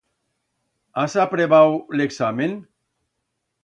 Has aprebau l'examen?